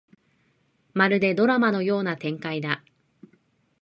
まるでドラマのような展開だ